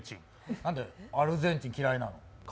なんでアルゼンチン嫌いなの？